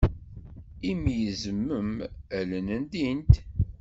Imi izemmem, allen ldint.